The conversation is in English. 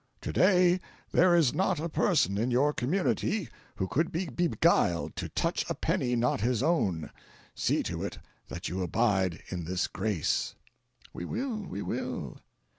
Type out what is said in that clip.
To day there is not a person in your community who could be beguiled to touch a penny not his own see to it that you abide in this grace. ("We will! we will!")